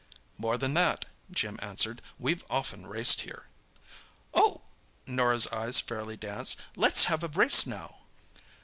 "More than that," Jim answered. "We've often raced here." "Oh!" Norah's eyes fairly danced. "Let's have a race now!"